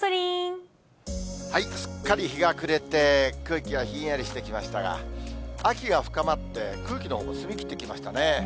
すっかり日が暮れて、空気がひんやりしてきましたが、秋が深まって、空気のほうも澄み切ってきましたね。